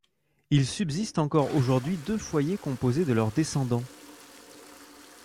Il subsiste encore aujourd'hui deux foyers composés de leurs descendants.